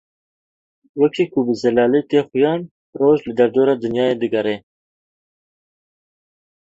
Wekî ku bi zelalî tê xuyan Roj li derdora Dinyayê digere.